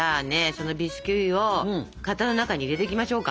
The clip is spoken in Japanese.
そのビスキュイを型の中に入れていきましょうか。